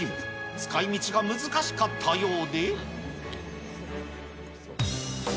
使いみちが難しかったようで。